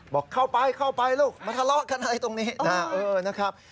บอกเข้าไปเข้าไปลูกมาทะเลาะกันอะไรตรงนี้นะครับ